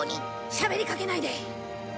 しゃべりかけないで！